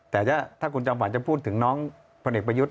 แต่ถ้าคุณจำฝรก์จะพูดถึงน้องมาศิลปะยุทธ์